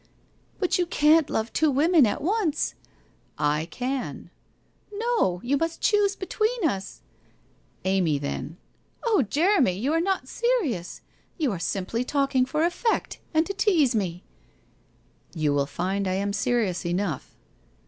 'But you can't love two women at once?' '/ can.' ' No, you must choose between us ?'' Amy then.' ' Oh, Jeremy, you are not serious. You arc simply talk ing for effect, and to tease me.' ' You will find I am serious enough.'